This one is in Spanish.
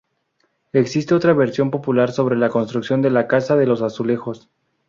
Existe otra versión popular sobre la construcción de la "'Casa de los azulejos".